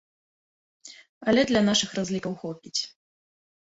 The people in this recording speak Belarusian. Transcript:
Але для нашых разлікаў хопіць.